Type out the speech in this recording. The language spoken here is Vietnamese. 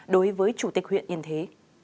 đối với chủ tịch huyện yên thế